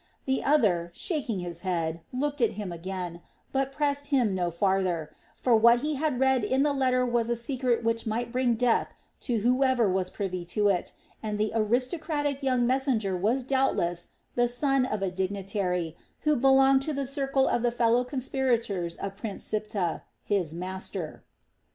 The other, shaking his head, looked at him again, but pressed him no farther; for what he had read in the letter was a secret which might bring death to whoever was privy to it, and the aristocratic young messenger was doubtless the son of a dignitary who belonged to the circle of the fellow conspirators of Prince Siptah, his master.